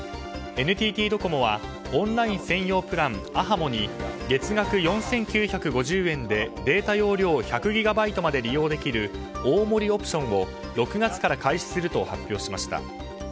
ＮＴＴドコモはオンライン専用プランａｈａｍｏに月額４９５０円でデータ容量１００ギガバイトまで利用できる大盛りオプションを６月から開始すると発表しました。